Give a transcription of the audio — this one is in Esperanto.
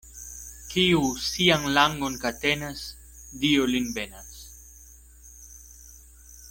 Kiu sian langon katenas, Dio lin benas.